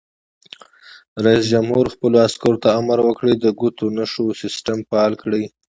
رئیس جمهور خپلو عسکرو ته امر وکړ؛ د ګوتو نښو سیسټم فعال کړئ!